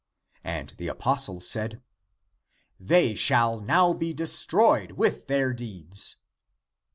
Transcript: And the apos tle said, " they shall now be destroyed with their deeds."